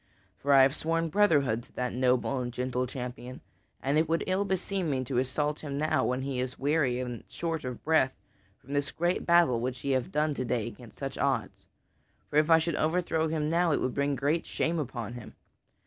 For I have sworn brotherhood to that noble and gentle champion, and it would ill beseem me to assault him now, when he is weary and short of breath from this great battle which he hath done to day against such odds. For if I should overthrow him now, it would bring great shame upon him.